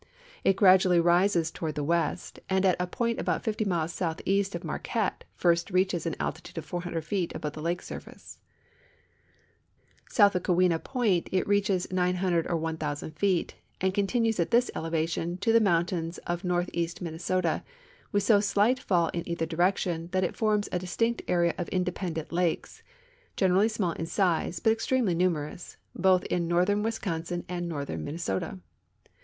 It gradually rises toward the west, and at a point al)out fifty miles soutiieast of Maniuette first reaches an altitude of 400 feet al)Ove tiie lake surface. South of Keweenaw ♦ Scliermerhoni, 1. o. 116 AREA AND DRAINAGE BASIN OF LAKE SUPERIOR point it reaches 900 or 1,000 feet and continues at this elevation to the mountains of northeast Minnesota with so slight fall in either direction that it forms a distinct area of independent lakes, generally small in size, but extremel}' numerous, both in north ern Wisconsin and northern Minnesota.